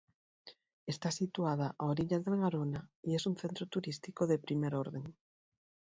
Está situada a orillas del Garona y es un centro turístico de primer orden.